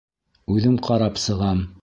Үҙем ҡарап сығам.